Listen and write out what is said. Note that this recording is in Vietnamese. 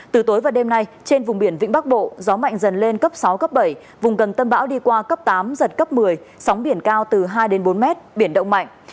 từ tối và đêm nay trên vùng biển vĩnh bắc bộ gió mạnh dần lên cấp sáu cấp bảy vùng gần tâm bão đi qua cấp tám giật cấp một mươi sóng biển cao từ hai bốn m biển động mạnh